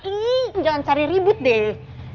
ih jangan cari ribut deh